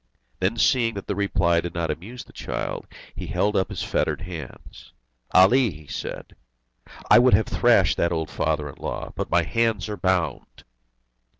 Then seeing that the reply did not amuse the child, he held up his fettered hands. "Ali," he said, "I would have thrashed that old father in law, but my hands are bound!"